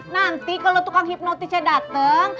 nanti kalo tukang hipnotisnya dateng